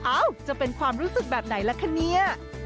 เอ้าจะเป็นความรู้สึกแบบไหนล่ะคะเนี่ย